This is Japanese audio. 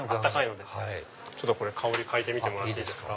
香り嗅いでもらっていいですか？